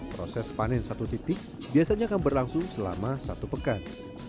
proses panen satu titik biasanya akan berlangsung selama satu pekan